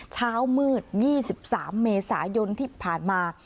เช้ามืด๒๓เมษายนที่ผ่านมา